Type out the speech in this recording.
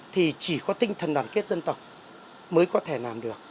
thì chỉ có tinh thần đoàn kết dân tộc mới có thể làm được